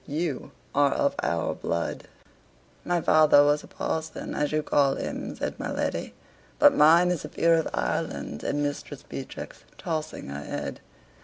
"You are of our blood." "My father was a parson, as you call him," said my lady. "But mine is a peer of Ireland," says Mistress Beatrix, tossing her head.